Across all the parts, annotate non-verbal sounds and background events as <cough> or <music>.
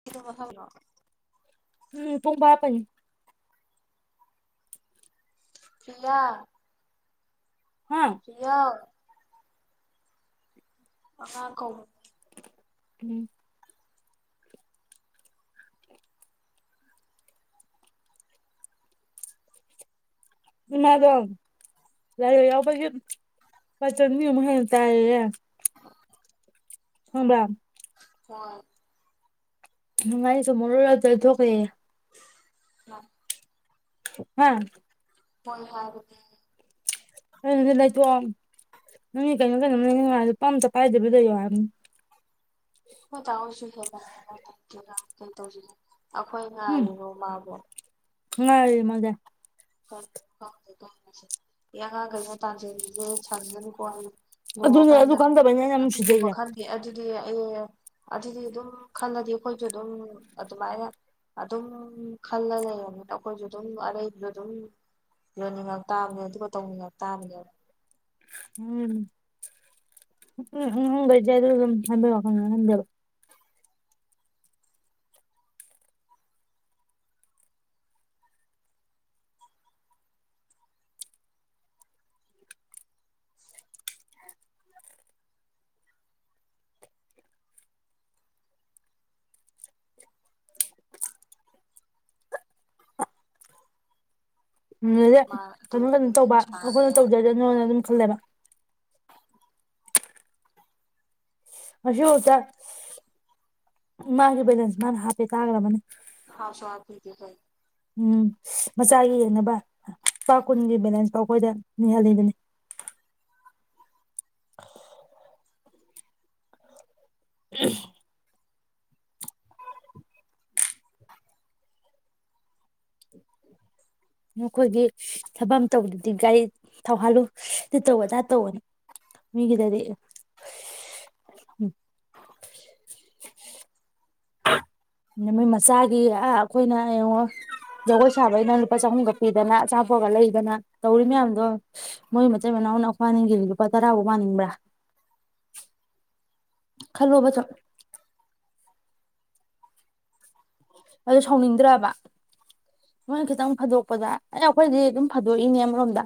<unintelligible> <unintelligible> ꯄꯤꯌꯥ <unintelligible> ꯌꯥ ꯑꯉꯥꯡ ꯀꯣ ꯎꯝ ꯏꯃꯥꯗꯣ ꯂꯥꯏꯔꯣꯏ ꯌꯥꯎꯕꯒꯤ ꯂꯨꯄꯥ ꯆꯥꯅꯤ ꯃꯨꯛ ꯍꯦꯟꯅ ꯇꯥꯏꯌꯦꯌꯦ <unintelligible> ꯈꯪꯕꯔꯥ ꯍꯣꯏ ꯅꯨꯡꯉꯥꯏ ꯑꯩꯁꯨꯨꯝ ꯃꯔꯨ ꯌꯥꯎꯗ ꯊꯣꯛꯈꯔ꯭ꯤꯅꯦ <unintelligible> <unintelligible> <unintelligible> ꯅꯪꯗꯤ ꯂꯩꯊꯣꯛꯑꯣ ꯅꯪꯒꯤ ꯀꯩꯅꯣ ꯀꯩꯅꯣ ꯂꯩꯅꯤꯡꯉꯥꯏ ꯂꯨꯄꯥ ꯑꯝꯇ ꯄꯥꯏꯗꯕꯤꯗ ꯂꯩꯌꯣ ꯍꯥꯏꯕꯅꯤ ꯑꯈꯣꯏ ꯗꯥ ꯍꯣꯏꯁꯨ ꯂꯩꯇꯅ ꯀꯩꯇꯧꯁꯤꯒꯦ ꯑꯩꯈꯣꯏ ꯉꯥꯏꯔꯤꯅꯣ ꯃꯥꯕꯨ ꯉꯥꯢꯔꯤ ꯃꯥꯜꯂꯦ <unintelligible> ꯑꯗꯨꯅꯦ ꯑꯗꯨ ꯂꯨꯍꯣꯡꯉꯥꯀꯥꯟꯗ ꯈꯪꯗꯕꯩꯅꯦ ꯑꯩꯅ ꯌꯥꯝ ꯑꯗꯨꯒꯨꯝꯕ ꯅꯨꯡꯁꯤꯖꯩꯁꯦ ꯈꯔꯥ ꯑꯦ ꯑꯗꯨꯗꯤ ꯑꯩ ꯑꯗꯨꯗꯤ ꯑꯗꯨꯝ ꯈꯟꯂꯥꯗꯤ ꯑꯩꯈꯣꯏꯁꯨ ꯑꯗꯨꯝ ꯑꯗꯨꯃꯥꯏꯅ ꯑꯗꯨꯝ ꯈꯜꯂꯥ ꯂꯩꯔꯕꯅꯤꯅ ꯑꯩꯈꯣꯏꯁꯨ ꯑꯗꯨꯝ ꯑꯔꯩꯕ ꯑꯗꯨꯝ ꯌꯣꯟꯅꯤꯡꯉꯛ ꯇꯥꯕꯅꯦ ꯑꯗꯨꯒ ꯇꯧꯅꯤꯡꯉꯛ ꯇꯥꯕꯅꯦꯕ <unintelligible> ꯑꯗꯨꯗꯩꯗꯤ ꯃꯥ ꯑꯗꯨꯝ ꯀꯩꯅꯣ ꯀꯩꯅꯣ ꯇꯧꯕ ꯁꯥꯔꯦ ꯑꯈꯣꯏꯅ ꯇꯧꯖꯥꯖꯥꯅꯣꯅ ꯑꯗꯨꯝ ꯈꯜꯂꯦ ꯉꯥꯁꯤꯐꯧꯗꯥ ꯃꯥꯒꯤ ꯕꯤꯂꯦꯟꯁ ꯃꯥꯅ ꯍꯥꯄꯦ ꯇꯥꯒꯔꯕꯅꯦ ꯍꯥꯞꯁꯨ ꯍꯥꯞꯄꯤꯗꯦ ꯎꯝ ꯃꯆꯥꯒꯤ ꯌꯦꯡꯅꯕ ꯂꯨꯄꯥ ꯀꯨꯟꯒꯤ ꯕꯦꯂꯦꯟꯁ ꯐꯥꯎ ꯑꯩꯈꯣꯏꯗ ꯅꯤꯍꯜꯂꯤꯅꯦ <unintelligible> ꯎꯝ ꯑꯈꯣꯏꯒꯤ ꯊꯕꯛ ꯑꯃꯥ ꯇꯧꯕꯗꯗꯤ ꯒꯥꯔꯤ ꯊꯥꯎꯍꯥꯜꯂꯨ ꯑꯗꯨ ꯇꯧ ꯑꯗꯥ ꯇꯧ ꯃꯤꯒꯤꯗꯗꯤ ꯃꯣꯏ ꯃꯆꯥꯒꯤ ꯑꯥ ꯑꯩꯈꯣꯏꯅ ꯌꯦꯡꯉꯣ ꯖꯒꯣꯏ ꯁꯥꯕꯒꯤꯗꯥ ꯂꯨꯄꯥ ꯆꯥꯍꯨꯝꯒ ꯄꯤꯗꯅ ꯑꯆꯥꯄꯣꯠ ꯂꯩꯗꯅ ꯇꯧꯔꯤ ꯃꯌꯥꯝꯗꯣ ꯌꯦꯡꯉꯣ ꯃꯣꯏ ꯃꯇꯩ ꯃꯅꯥꯎꯅ ꯑꯈꯣꯏꯕꯥꯅꯤꯒꯤ ꯂꯨꯄꯥ ꯇꯔꯥꯐꯧ ꯃꯥꯅꯤꯡꯕ꯭ꯔꯥ ꯈꯜꯂꯣꯕꯥ ꯗꯣ ꯑꯗꯨ ꯁꯥꯎꯅꯤꯡꯗ꯭ꯔꯕꯥ ꯃꯣꯏ ꯈꯤꯇꯪ ꯐꯥꯗꯣꯛꯄꯗ ꯑꯦ ꯑꯩꯈꯣꯏꯅꯗꯤ ꯑꯗꯨꯝ ꯐꯥꯗꯣꯛꯏꯅꯦ ꯑꯃꯔꯣꯝꯗ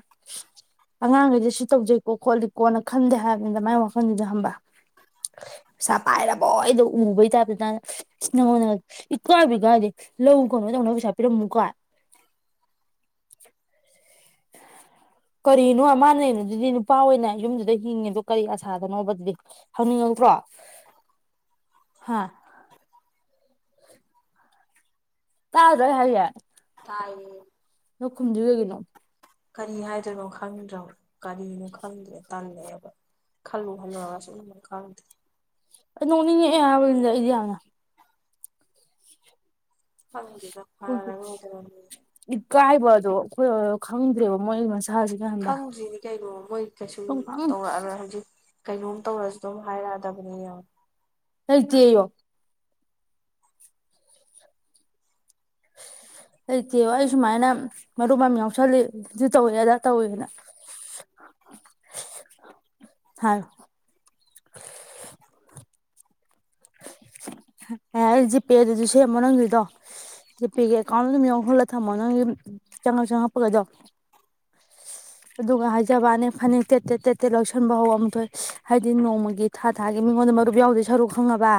ꯑꯉꯥꯡꯈꯩꯗꯤ ꯁꯤ ꯇꯧꯖꯩꯀꯣ ꯈꯣꯠꯂꯤꯀꯣꯅ ꯈꯟꯗꯦ ꯍꯥꯏꯕꯅꯤꯗ ꯃꯥꯏ ꯋꯥꯈꯟꯗꯨꯗ ꯈꯪꯕꯔꯥ ꯄꯩꯁꯥ ꯄꯥꯏꯔꯕꯣꯏꯗꯥ ꯎꯨꯕꯩ ꯇꯥꯏꯞꯇꯥ ꯅꯪ ꯏꯁ ꯅꯥꯉꯣꯟꯗꯒꯥ ꯀꯥꯏꯕꯤꯗꯦ ꯍꯥꯏꯗꯦ ꯂꯧ ꯀꯩꯅꯣ ꯇꯧꯅꯕ ꯄꯩꯁꯥ ꯄꯤꯔꯝꯃꯨ ꯀꯥꯏ ꯀꯔꯤꯅꯣ ꯃꯥꯟꯅꯥ ꯑꯗꯨꯗꯤ ꯅꯨꯄꯥ ꯑꯣꯏꯅ ꯌꯨꯝꯗꯨꯗ ꯍꯤꯡꯉꯤꯗꯣ ꯀꯔꯤ ꯑꯁꯥꯗꯅꯣꯕꯥ ꯑꯗꯨꯗꯤ ꯍꯪꯅꯤꯡꯉꯛꯇꯔꯣ ꯇꯥꯗ꯭ꯔꯦ ꯑꯩ ꯍꯥꯏꯖꯦ ꯇꯥꯏꯌꯦ <unintelligible> ꯀꯔꯤ ꯍꯥꯏꯗꯣꯏꯅꯣ ꯈꯪꯗꯔꯕꯥ ꯀꯔꯤꯅꯣ ꯈꯪꯗ꯭ꯔꯦ ꯇꯜꯂꯛꯑꯦꯕ ꯈꯜꯂꯨ ꯈꯜꯂꯨꯔꯒ ꯁꯨꯝ ꯈꯪꯗꯦ ꯑꯩ ꯅꯣꯛꯅꯤꯡꯉꯛꯑꯥ ꯍꯥꯏꯕꯅꯤꯗ ꯑꯩꯗꯤꯅ ꯐꯝꯒꯦ ꯏꯀꯥꯏꯕꯗꯣ ꯑꯩꯈꯣꯏ ꯈꯪꯗ꯭ꯔꯦꯕ ꯃꯣꯏ ꯃꯁꯥꯁꯤꯅ ꯈꯪꯕ꯭ꯔꯥ ꯈꯪꯗꯔ꯭ꯤꯅꯤ ꯀꯩꯅꯣ ꯃꯣꯏ ꯀꯩꯁꯨꯝ ꯁꯨꯡꯈꯪ ꯇꯧꯔꯛꯑꯔ ꯍꯧꯖꯤꯛ ꯀꯩꯅꯣꯝ ꯇꯧꯔꯁꯨ ꯑꯗꯨꯝ ꯍꯥꯏꯔꯛꯑꯗꯕꯅꯦ ꯌꯦꯉ ꯂꯩꯇꯦꯌꯣ ꯂꯩꯇꯦꯕ ꯑꯩ ꯁꯨꯃꯥꯏꯅ ꯃꯔꯨꯞ ꯑꯃꯥ ꯌꯥꯎꯁꯜꯂꯤ ꯑꯗꯨ ꯇꯧꯋꯦ ꯑꯗꯥ ꯇꯧꯋꯦꯅ ꯍꯥꯏ ꯑꯩ ꯖꯤꯄꯦꯗꯨꯁꯨ ꯁꯦꯝꯃꯣ ꯅꯪꯁꯤꯗꯣ ꯖꯤꯄꯦꯒꯤ ꯑꯀꯧꯎꯗ ꯑꯗꯨꯡ ꯌꯧꯍꯜꯂꯒ ꯊꯝꯃꯣ ꯅꯪ ꯆꯪꯉ ꯆꯪꯉ ꯍꯥꯞꯄꯒꯗꯧꯦ <inaudible> ꯑꯗꯨꯒ ꯍꯥꯏꯖꯕꯅ ꯐꯅꯦꯛ ꯇꯦꯠ ꯇꯦꯠ ꯇꯦꯠ ꯇꯦꯠ ꯂꯧꯁꯟꯕ ꯍꯧꯔꯑꯝ ꯊꯣꯛ ꯍꯥꯏꯗꯤ ꯅꯣꯡꯃꯒꯤ ꯊꯥ ꯊꯥꯒꯤ ꯃꯤꯉꯣꯟꯗ ꯃꯔꯨꯞ ꯌꯥꯎꯗꯣꯏ ꯁꯔꯨ ꯈꯪꯉꯕ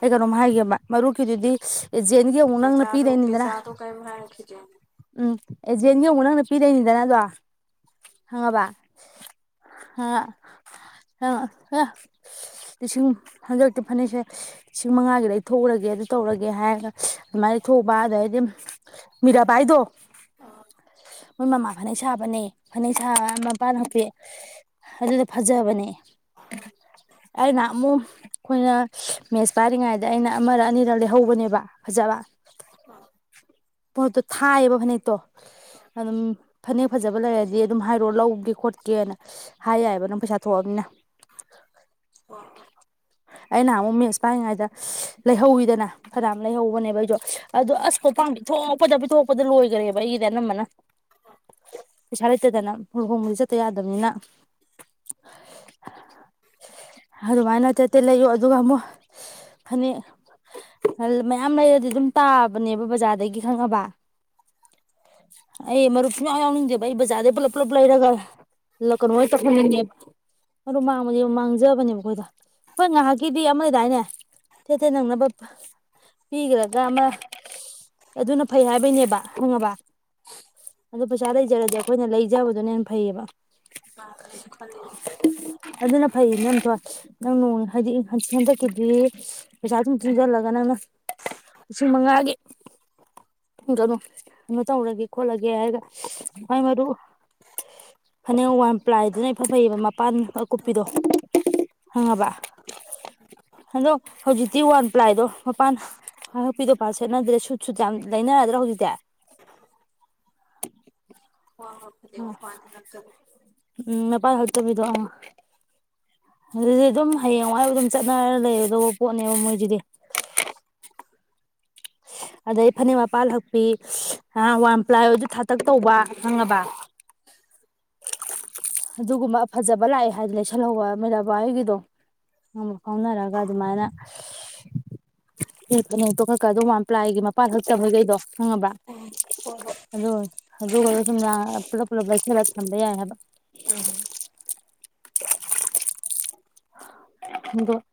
ꯑꯩ ꯀꯩꯅꯣꯝ ꯍꯥꯏꯒꯦꯕ ꯃꯔꯨꯞꯀꯤꯗꯨꯗꯤ ꯑꯦꯖꯦꯟꯒꯤ ꯑꯃꯨꯛ ꯅꯪꯅ ꯄꯦꯆꯥꯗꯣ ꯄꯤꯗꯣꯏꯅꯤꯗꯅ ꯄꯦꯆꯥꯗꯣ ꯀꯔꯤꯝ ꯍꯥꯏꯔꯛꯈꯤꯗ꯭ꯔꯦ ꯎꯝ ꯑꯦꯖꯦꯟꯒꯤꯡꯕ ꯅꯪꯅ ꯄꯤꯔꯣꯏꯅꯤꯗꯅ ꯑꯗꯣ ꯈꯪꯉꯕ ꯑ ꯂꯤꯁꯤꯡ ꯍꯟꯖꯤꯂꯛꯛꯇꯤ ꯐꯅꯤꯁꯦ ꯂꯤꯁꯤꯡ ꯃꯉꯥꯒꯤꯗ ꯊꯣꯛꯎꯒꯦ ꯑꯗꯨ ꯇꯧꯔꯒꯦ ꯍꯥꯏꯔꯒ ꯑꯗꯨꯃꯥꯏꯅ ꯊꯣꯛꯄ ꯑꯗꯩꯗꯤ ꯃꯤꯔꯥ ꯕꯥꯥꯏꯗꯣ ꯃꯣꯏ ꯃꯃꯥ ꯐꯅꯦꯛ ꯁꯥꯕꯅꯦ ꯐꯅꯦꯛ ꯁꯥꯕ ꯃꯄꯥꯟ ꯍꯥꯄꯤ ꯑꯗꯨꯗ ꯐꯖꯕꯅꯦ ꯑꯩꯅ ꯑꯃꯨꯛ ꯑꯩꯈꯣꯏꯅ ꯃꯦꯠꯁ ꯄꯥꯏꯔꯤꯉꯩꯗ ꯑꯩꯅ ꯑꯃꯔꯛ ꯑꯅꯤꯔꯛ ꯂꯩꯍꯧꯕꯅꯦꯕ ꯐꯖꯕ ꯍꯣꯏ ꯄꯣꯠꯇꯣ ꯊꯥꯏꯑꯌꯦꯕ ꯐꯅ ꯇꯣ ꯑꯗꯨꯝ ꯐꯅꯦꯛ ꯐꯖꯕ ꯂꯩꯔꯗꯤ ꯑꯗꯨꯝ ꯍꯥꯏꯔꯣ ꯂꯧꯒꯦ ꯈꯣꯠꯀꯦꯅ ꯍꯥꯏ ꯌꯥꯏꯑꯕ ꯅꯪ ꯄꯩꯁꯥ ꯊꯣꯛꯑꯒꯅ ꯍ ꯍꯣꯏ ꯑꯩꯅ ꯑꯃꯨꯛ ꯃꯦꯠꯁ ꯄꯥꯏꯉꯩꯗ ꯂꯩꯍꯧꯋꯤꯗꯅ ꯈꯔ ꯑꯃ ꯂꯩꯍꯧꯕꯅꯦꯕ ꯑꯩꯖꯣ ꯑꯗꯨꯗꯣ ꯑꯁ ꯀꯣ ꯄꯥꯝꯕꯤ ꯊꯣꯛꯂꯛꯄꯗ ꯄꯤꯊꯣꯛꯄꯗ ꯂꯣꯏꯈꯔꯦꯕ ꯑꯩꯒꯤꯗꯤ ꯑꯅꯝꯕꯅ ꯄꯩꯁꯥ ꯂꯩꯇꯗꯅ ꯂꯨꯍꯣꯡꯕꯗꯤ ꯆꯠꯇ ꯌꯥꯗꯕꯅꯤꯅ ꯑꯗꯨꯃꯥꯏꯅ ꯇꯦ ꯇꯦꯠ ꯂꯩꯌꯨ ꯑꯗꯨꯒ ꯑꯃꯨꯛ ꯐꯅꯦꯛ ꯃꯌꯥꯝ ꯂꯩꯔꯗꯤ ꯑꯗꯨꯝ ꯇꯥꯕꯅꯦꯕ ꯕꯖꯥꯔꯗꯒꯤ ꯈꯪꯉꯕ ꯑꯩ ꯃꯔꯨꯞ ꯁꯨꯡꯌꯧꯎ ꯌꯥꯎꯅꯤꯡꯗꯦꯕ ꯑꯩ ꯕꯥꯖꯔꯗꯩꯩ ꯄꯨꯂꯞ ꯄꯨꯂꯞ ꯂꯩꯥꯏꯔꯒ ꯂ ꯀꯩꯅꯣ ꯑꯣ ꯇꯧꯁꯟꯕꯤꯅꯦꯝ ꯑꯗꯨ ꯃꯥꯡꯕꯅꯦ ꯃꯥꯡꯖꯕꯅꯦꯕ ꯑꯩꯈꯣꯏ ꯉꯍꯥꯛꯀꯤꯗꯤ ꯑꯃ ꯂꯩꯗꯥꯏꯅꯦ ꯊꯦꯊꯦꯠ ꯅꯪꯅꯕ ꯄꯤꯈ꯭ꯔꯒ ꯑꯃ ꯑꯗꯨꯅ ꯐꯩ ꯍꯥꯏꯕꯩꯅꯦꯕ ꯈꯪꯉꯕ ꯑꯗꯨ ꯄꯩꯁꯥ ꯂꯩꯖꯔꯗꯤ ꯑꯩꯈꯣꯏꯅ ꯂꯩꯖꯕꯗꯨꯅ ꯍꯦ ꯐꯩꯌꯦꯕ ꯄꯥꯝꯃꯤ ꯑꯩꯖꯨ ꯈꯜꯂꯤꯅꯦ ꯑꯗꯨꯅ ꯐꯩ ꯏꯅꯝꯇꯣꯟ ꯅꯪ ꯅꯣꯡ ꯍꯥꯏꯗꯤ ꯍꯟꯆꯤ ꯍꯟꯗꯛꯀꯤꯗꯤ ꯄꯩꯁꯥ ꯇꯨꯝ ꯇꯨꯡꯖꯜꯂꯒ ꯅꯪꯅ ꯂꯤꯁꯤꯡ ꯃꯉꯥꯒꯤ ꯑꯗꯨꯝ ꯀꯩꯅꯣ ꯇꯧꯔꯒꯦ ꯈꯣꯠꯂꯒꯦ ꯍꯥꯏꯔꯒꯥꯏ ꯑꯩ ꯃꯗꯨ ꯐꯅꯦꯛ ꯋꯥꯟ ꯄ꯭ꯂꯥꯏꯗꯨꯅ ꯏꯐ ꯐꯩꯌꯦꯕ ꯃꯄꯥꯟ ꯑꯀꯨꯞꯄꯤꯗꯣ ꯈꯪꯉꯕꯥ ꯑꯗꯣ ꯍꯧꯖꯤꯛꯇꯤ ꯋꯥꯟ ꯄ꯭ꯂꯥꯏꯗꯣ ꯃꯄꯥꯟ ꯍꯄꯤꯗꯣ ꯄꯥꯛ ꯁꯦꯠꯅꯗ꯭ꯔꯦꯁꯨ ꯁꯨꯇ ꯌꯥꯝ ꯂꯩꯅꯔꯗ꯭ꯔꯣ ꯍꯧꯖꯤꯛꯇꯤ ꯋꯥ ꯉꯥꯡꯕꯗꯤ ꯋꯥꯄꯥꯗꯤ ꯉꯥꯡꯇꯕꯅꯤ ꯑ ꯎꯝ ꯃꯥꯄꯥꯟ ꯍꯛꯇꯕꯤꯗꯣ ꯑ ꯑꯗꯨꯗꯤ ꯑꯗꯨꯝ ꯍꯌꯦꯡꯋꯥꯏꯕꯧ ꯑꯗꯨꯝ ꯆꯠꯅꯔ ꯂꯩꯒꯗꯧꯕ ꯄꯣꯠꯅꯦꯕ ꯃꯣꯏꯖꯤꯗꯤ ꯑꯗꯩ ꯐꯅꯦꯛ ꯃꯄꯥꯜ ꯍꯛꯄꯤ ꯍꯥ ꯋꯥꯟ ꯄ꯭ꯂꯥꯏ ꯑꯣꯏꯁꯨ ꯊꯥꯇꯛ ꯇꯧꯕ ꯈꯪꯉꯕ <unintelligible> ꯑꯗꯨꯒꯨꯝꯕ ꯐꯖꯕ ꯂꯥꯛꯑꯦ ꯍꯥꯏꯗꯤ ꯂꯩꯁꯜꯍꯧꯕ ꯃꯤꯔꯥꯕꯥꯏ ꯍꯣꯏꯒꯤꯗꯣ ꯉꯝ ꯐꯥꯎꯅꯔꯒ ꯑꯗꯨꯃꯥꯏꯅ <unintelligible> ꯀꯗꯣ ꯋꯥꯟ ꯄ꯭ꯂꯥꯏꯒꯤ ꯃꯄꯥꯜ ꯍꯛꯇꯕꯩꯒꯩꯗꯣ ꯈꯪꯉꯕ꯭ꯔꯥ ꯎꯝ ꯍꯣꯏ ꯍꯣꯏ ꯑꯗꯨ ꯑꯗꯨꯒꯗꯣ ꯁꯨꯝꯅ ꯄꯨꯂꯞ ꯄꯨꯂꯞ ꯂꯩꯁꯜꯂꯒ ꯊꯝꯕ ꯌꯥꯏ ꯍꯥꯏꯕ ꯎꯝ ꯑꯗꯣ <unintelligible>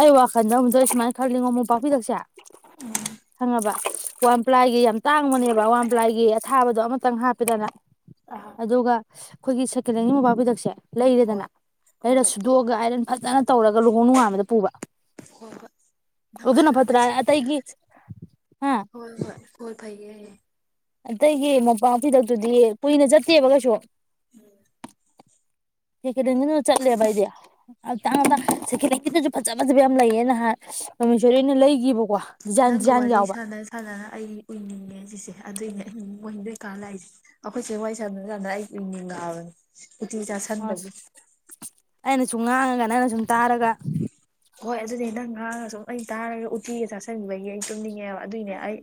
ꯑꯩ ꯋꯥꯈꯜꯗ ꯑꯃꯨꯛ ꯑꯩ ꯁꯨꯃꯥꯏꯅ ꯈꯟꯂꯤꯉꯣ ꯃꯣꯟꯄꯥꯛꯐꯤꯗꯛꯁꯦ ꯎꯝ ꯈꯪꯉꯕ ꯋꯥꯟꯄ꯭ꯂꯥꯏꯒꯤ ꯌꯥꯝ ꯇꯥꯡꯕꯅꯦꯕ ꯋꯥꯟꯄ꯭ꯂꯥꯏꯒꯤ ꯑꯊꯥꯕꯗꯣ ꯑꯃꯇꯪ ꯍꯥꯞꯄꯦꯗꯅ ꯑꯥ ꯑꯗꯨꯒ ꯑꯩꯈꯣꯏꯒꯤ ꯁꯦꯀꯦꯟ ꯍꯦꯟꯒꯤ ꯃꯣꯟꯄꯥꯛ ꯐꯤꯗꯛꯁꯦ ꯂꯩꯔꯦꯗꯅ ꯍꯣꯏ ꯂꯩꯔ ꯍꯣꯏ ꯁꯨꯗꯣꯛꯑꯒ ꯑꯥꯏꯔꯟ ꯐꯖꯅ ꯇꯧꯔꯒ ꯂꯨꯍꯣꯡ ꯅꯨꯡꯉꯥꯟꯕꯗ ꯄꯨꯕ ꯍꯣꯏ ꯍꯣꯏ ꯅꯪ ꯑꯣꯗꯨꯅ ꯐꯇ꯭ꯔꯥ ꯍꯜꯂꯛꯑꯁꯤ ꯑꯇꯩꯒꯤ ꯍꯥ ꯍꯣꯏ ꯍꯣꯏ ꯍꯣꯏ ꯐꯩꯌꯦ ꯑꯇꯩꯒꯤ ꯃꯣꯟꯄꯥꯛ ꯐꯤꯗꯛꯇꯨꯗꯤ ꯀꯨꯏꯅ ꯆꯠꯇꯦꯕ ꯀꯩꯁꯨ <unintelligible> ꯍꯦꯀꯦꯂꯦꯟꯒꯤꯗꯨꯅ ꯆꯠꯂꯦꯕ ꯑꯩꯗꯤ ꯑꯗꯨ ꯑꯇꯥꯡ ꯇꯥꯡ ꯁꯦꯀꯦꯟ ꯂꯦꯟꯒꯤꯗꯁꯨ ꯐꯖ ꯐꯖꯕ ꯌꯥꯝ ꯂꯩꯌꯦ ꯅꯍꯥꯟ ꯄꯥꯃꯦꯁꯣꯔꯤꯍꯣꯏꯅ ꯂꯩꯒꯤꯕꯀꯣ ꯗꯤꯖꯥꯏꯟ ꯗꯤꯖꯥꯏꯟ ꯌꯥꯎꯕ ꯐꯖꯅ ꯑꯩ ꯎꯏꯅꯤꯡꯉꯦ ꯁꯤꯁꯦ ꯑꯗꯨꯏꯅꯦ ꯑꯩ ꯃꯣꯏ ꯅꯣꯏꯀꯥ ꯂꯥꯛꯏꯁꯦ ꯑꯩꯈꯣꯏꯆꯦ ꯋꯥꯔꯤ ꯁꯥꯟꯅꯔ ꯁꯥꯟꯅꯔ ꯑꯩ ꯎꯏꯅꯤꯡꯉꯛꯑꯕꯅꯤ ꯎꯇꯤ ꯑꯁ ꯆꯥꯁꯟꯕꯒꯤ ꯑꯩꯅ ꯁꯨꯝ ꯉꯥꯡꯉꯒ ꯅꯪꯅ ꯁꯨꯝ ꯇꯥꯔꯒ ꯍꯣꯏ ꯑꯗꯨꯅꯦ ꯅꯪ ꯉꯥꯡꯉꯒ ꯁꯨꯝ ꯑꯩ ꯇꯥꯔꯒ ꯎꯇꯤꯒ ꯆꯥꯥꯁꯟꯒꯤꯕꯒꯤ ꯑꯩ ꯇꯨꯝꯅꯤꯡꯉꯦꯕ ꯑꯗꯨꯏꯅꯦ ꯑꯩ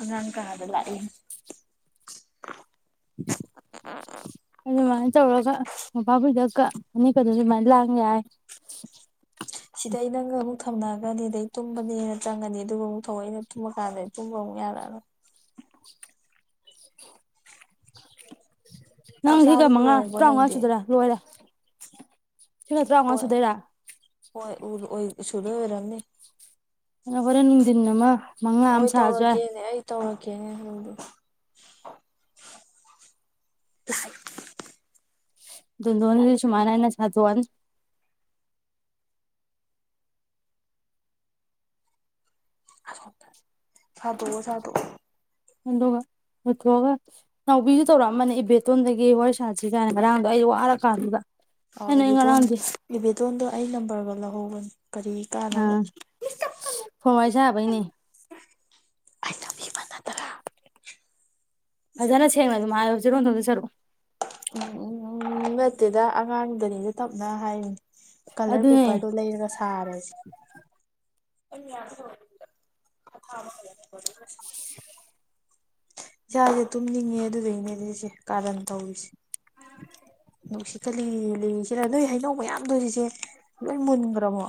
ꯑꯉꯥꯡ ꯀꯥꯗ ꯂꯥꯛꯏꯅꯤ <unintelligible> ꯑꯗꯨꯃꯥꯏꯅ ꯇꯧꯔꯒ ꯃꯣꯝꯄꯥꯛꯐꯤꯗꯛꯀ ꯐꯅꯦꯛꯀꯗꯣ ꯑꯗꯨꯃꯥꯏꯅ ꯂꯥꯡ ꯌꯥꯏ ꯁꯤꯗ ꯑꯩ ꯅꯪꯒ ꯑꯃꯨꯛ ꯊꯝꯅꯛꯑꯒꯅꯤ ꯑꯗꯩ ꯇꯨꯝꯕꯅꯦꯅ ꯆꯪꯉꯅꯤ ꯑꯗꯨꯒ ꯑꯃꯨꯛ ꯊꯧꯑꯣꯏ ꯇꯨꯝꯕ ꯀꯥꯟꯗꯗꯤ ꯇꯨꯝꯕ ꯑꯃꯨꯛ ꯌꯥꯔꯛꯑꯔꯣꯏ ꯆꯥꯛ ꯅꯪ ꯁꯤꯒ ꯆꯥꯕ ꯃꯉꯥ ꯂꯣꯏꯔꯕꯣ ꯇꯔꯥꯃꯉꯥ ꯅꯪꯗꯤ ꯁꯨꯗꯣꯏꯔ ꯂꯣꯏꯔꯦ ꯁꯤꯒ ꯇꯔꯥꯉꯥꯎ ꯍꯣꯏ ꯁꯨꯨꯗꯣꯏꯔꯥ ꯍꯣꯏ <unintelligible> ꯁꯨꯗꯣꯏ ꯑꯣꯏꯔꯝꯅꯤ ꯑ ꯍꯣꯔꯦꯟ ꯅꯨꯡꯊꯤꯟ ꯑꯃ ꯃꯉꯥ ꯍꯣꯏ ꯑꯃ ꯁꯥꯔꯁꯨ ꯌꯥꯏ ꯇꯧꯔꯛꯀꯦꯅꯦ ꯑꯩ ꯇꯧꯔꯛꯀꯦꯅꯦ ꯍꯥꯏꯕꯗꯣ ꯥ <unintelligible> <unintelligible> ꯁꯨꯃꯅꯥꯏꯅ ꯑꯩꯅ ꯁꯥꯗꯣꯛꯑꯅꯤ <unintelligible> ꯁꯥꯗꯣꯛꯑꯣ ꯁꯥꯗꯣꯛꯑꯣ ꯑꯗꯨꯒ ꯂꯣꯏꯊꯣꯛꯑꯒ ꯅꯥꯎꯕꯤꯁꯨ ꯇꯧꯔꯛꯑꯝꯅꯦ ꯏꯕꯦꯇꯣꯟꯗꯒꯤ ꯋꯥꯔꯤ ꯁꯥꯠꯁꯤ ꯀꯥꯏꯅ ꯉꯔꯥꯡꯗꯣ ꯑꯩ ꯋꯥꯔ ꯀꯥꯟꯗꯨꯗ ꯑꯣ ꯏꯕꯦꯗꯣꯟ ꯏꯕꯦꯗꯣꯟꯗꯣ ꯑꯩ ꯅꯝꯕꯔꯒ ꯂꯧꯍꯧꯕꯅꯤ ꯀꯔꯤ ꯀꯥꯟꯅꯕ ꯑꯥ ꯐꯣꯟ ꯋꯥꯔꯤ ꯁꯥꯟꯅꯕꯩꯅꯦ ꯑꯩ ꯅꯝꯕꯤꯕ ꯅꯠꯇ꯭ꯔꯥ ꯐꯖꯅ ꯁꯦꯡꯅ ꯑꯗꯨꯝ ꯍꯥꯏꯌꯣ ꯆꯤꯔꯣꯟ ꯇꯧꯗꯧ ꯁꯔꯨꯛ ꯎꯝ ꯎꯝ ꯎ ꯅꯠꯇꯦꯗ ꯑꯉꯥꯡꯗꯅꯤꯗ ꯇꯞꯅ ꯍꯥꯏꯔꯤꯅꯦ ꯀꯂꯔ ꯑꯗꯨꯅꯦ ꯄꯦꯄꯔ ꯗꯣ ꯂꯩꯔꯒ ꯊꯥꯔꯖꯦ <unintelligible> <inaudible> ꯏꯁꯥꯁꯦ ꯇꯨꯝꯅꯤꯡꯉꯦ ꯑꯗꯨꯗꯨꯏꯅꯦ ꯁꯤꯁꯦ ꯀꯥꯔꯟ ꯇꯧꯔꯤꯁꯦ ꯅꯨꯡꯁꯤꯠꯀ ꯂꯤ ꯂꯤꯔꯤ ꯁꯤꯠꯂ ꯅꯣꯏ ꯍꯩꯅꯧ ꯃꯌꯥꯝꯗꯣꯔꯤꯁꯦ ꯂꯣꯏ ꯃꯨꯟꯈ꯭ꯔꯕꯣ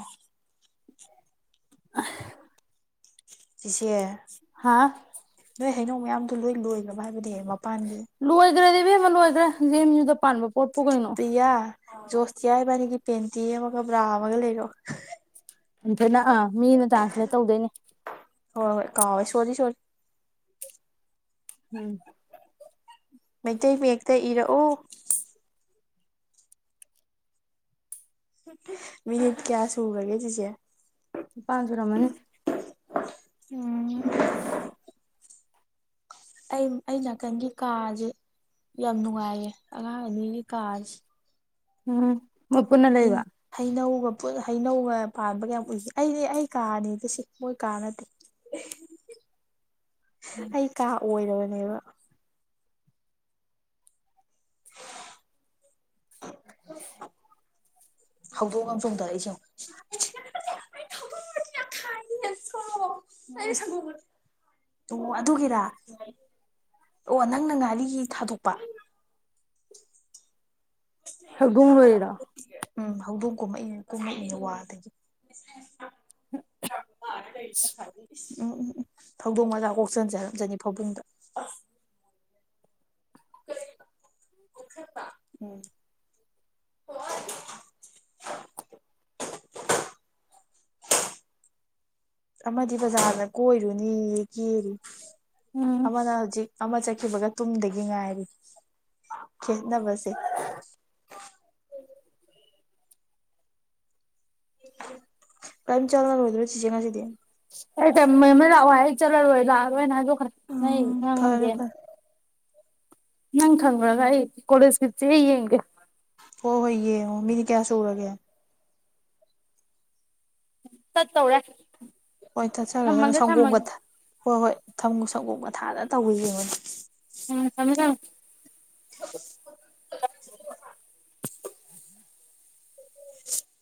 <unintelligible> ꯁꯤꯁꯦ ꯍꯥꯥ ꯅꯣꯏ ꯍꯩꯅꯧ ꯃꯌꯥꯝꯗꯣ ꯂꯣꯏ ꯂꯣꯏꯈ꯭ꯔꯕ ꯍꯥꯏꯕꯗꯤ ꯃꯄꯥꯟꯒꯤ ꯂꯣꯏꯈ꯭ꯔꯦ ꯏꯕꯦꯝꯃ ꯂꯣꯏꯈ꯭ꯔꯦ ꯌꯦꯦꯝ ꯌꯨꯗ ꯄꯥꯟꯕ ꯄꯣꯠꯄꯨ ꯀꯩꯅꯣ ꯄ꯭ꯔꯤꯌꯥ ꯖꯣꯁꯇꯤꯌꯥ ꯍꯥꯏꯕꯥꯅꯤꯒꯤ ꯄꯦꯟꯇꯤ ꯑꯃꯒ ꯕ꯭ꯔꯥ ꯑꯃꯒ ꯂꯩꯔꯣ ꯏꯊꯅ ꯑꯥ ꯃꯤꯅ ꯇ꯭ꯔꯥꯟꯁꯂꯦꯠ ꯇꯧꯗꯣꯏꯅꯦ ꯍꯣꯏ ꯍꯣꯏ ꯀꯥꯎꯦ ꯁꯣꯔꯤ ꯁꯣꯔꯤ ꯎꯝ ꯃꯩꯇꯩ ꯃꯌꯦꯛꯇ ꯏꯔꯛꯎ ꯃꯤꯅꯤꯠ ꯀꯌꯥ ꯁꯨꯔꯒꯦ ꯁꯤꯨꯁꯦ ꯄ ꯁ ꯔ ꯃꯅꯦ ꯎꯝ <inaudible> ꯑꯩ ꯑꯩ ꯅꯥꯀꯟꯒꯤ ꯀꯥꯥꯁꯦ ꯌꯥꯝ ꯅꯨꯡꯉꯥꯏꯌꯦ ꯑꯉꯥꯡ ꯑꯅꯤꯒꯤ ꯀꯥꯥꯁꯦ ꯎꯝ ꯃꯄꯨꯅ ꯂꯩ ꯏꯕ ꯍꯩꯅꯧꯒ ꯍꯩꯅꯧꯒ ꯄꯥꯟꯕꯒ ꯌꯥꯝ ꯎꯏ ꯑꯩꯗꯤ ꯑꯩ ꯀꯥꯔꯅꯤ ꯑꯗꯨ ꯁꯤ ꯃꯣꯏ ꯀꯥ ꯅꯠꯇꯦ ꯑꯩ ꯀꯥ ꯑꯣꯏꯔꯕꯅꯦꯕ ꯍꯧꯗꯣꯡ ꯑꯃꯁꯨꯡ ꯆꯣꯡꯗ ꯑꯩꯁꯦ ꯊꯥꯏꯣ ꯁꯒ ꯑꯣ ꯑꯗꯨꯒꯤꯔ ꯑꯣ ꯅꯪꯅ ꯉꯥꯔꯤꯒꯤ ꯊꯥꯗꯣꯛꯄ ꯍꯒꯨꯝꯝ ꯑꯣꯏꯣꯏꯔ ꯎꯝ ꯍꯧꯗꯣꯡ ꯀꯨꯝꯃꯛꯏ ꯀꯨꯝꯃꯛꯏꯅꯦ ꯋꯥꯗꯒꯤ ꯔ ꯏ ꯁꯥ ꯎꯝ ꯎꯝ ꯎꯝ ꯊꯧꯗꯣꯡ ꯃꯆꯥ ꯀꯣꯛꯆꯟꯖꯔꯝꯖꯅꯤ ꯐꯧꯕꯨꯡꯗ ꯎꯝ ꯑꯃꯗꯤ ꯕꯖꯥꯔꯗ ꯀꯣꯏꯔꯨꯅꯤ ꯀꯦꯜꯂꯤ ꯎꯝ ꯑꯃꯅ ꯍꯧꯖꯤꯛ ꯑꯃ ꯆꯠꯈꯤꯕꯒ ꯇꯨꯝꯗꯒꯤ ꯉꯥꯏꯔꯤ ꯈꯦꯠꯅꯕꯁꯦ ꯀꯥꯏꯝ ꯆꯥꯂꯅ ꯑꯣꯏꯗꯔꯣꯁꯤꯖ ꯉꯁꯤꯗꯤ ꯂꯥꯛꯑꯣ ꯆꯂꯔ ꯂꯥꯛꯣꯏꯅ ꯈꯔ ꯎꯝ ꯐꯔꯦ ꯐꯔꯦ ꯅꯪ ꯈꯪꯕꯔꯥ ꯑꯩ ꯀꯣꯂꯦꯁ ꯒꯤ ꯆꯦ ꯌꯦꯡꯗꯦ ꯍꯣꯏ ꯍꯣꯏ ꯌꯦꯡꯉꯣ ꯃꯤꯅꯤꯠ ꯀꯌꯥ ꯁꯨꯔꯒꯦ ꯆꯠꯇꯧꯔꯦ ꯍꯣꯏ ꯇꯠꯆꯔꯦ ꯑꯗꯨꯅ ꯊꯝꯃꯒꯦ ꯁꯪꯒꯣꯝ ꯊꯝꯃꯒꯦ ꯍꯣꯏ ꯍꯣꯏ ꯊ ꯁꯪꯒꯣꯝ ꯃꯊꯥꯗ ꯇꯧꯕꯤꯕꯅꯦ ꯊꯝꯃꯦ ꯊꯝꯃꯦ <inaudible>